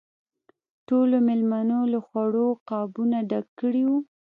ټولو مېلمنو له خوړو قابونه ډک کړي وو.